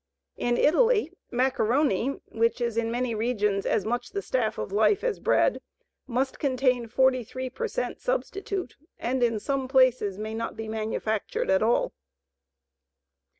In Italy, macaroni, which in many regions is as much the "staff of life" as bread, must contain 43 per cent substitute, and in some places may not be manufactured at all.